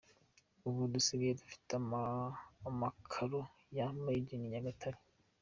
Ubu dusigaye dufite amakaro ya ‘Made in Nyagatare’.